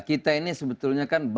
kita ini sebetulnya kan